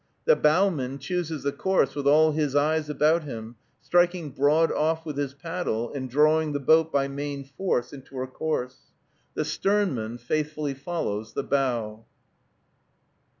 The bowman chooses the course with all his eyes about him, striking broad off with his paddle, and drawing the boat by main force into her course. The sternman faithfully follows the bow.